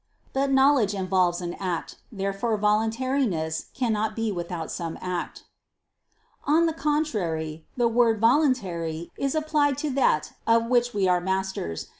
But knowledge involves an act. Therefore voluntariness cannot be without some act. On the contrary, The word "voluntary" is applied to that of which we are masters.